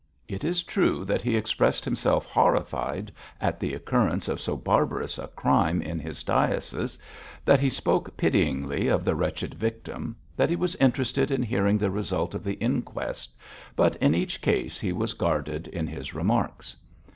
It is true that he expressed himself horrified at the occurrence of so barbarous a crime in his diocese, that he spoke pityingly of the wretched victim, that he was interested in hearing the result of the inquest, but in each case he was guarded in his remarks.